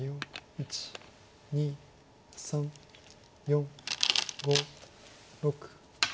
１２３４５６。